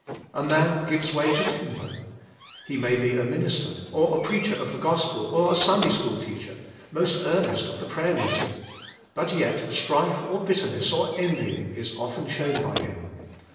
A man gives way to temper. He may be a minister, or a preacher of the Gospel, or a Sunday school teach er, most earnest at the prayer meeting, but yet strife or bitterness or envying is often shown by him.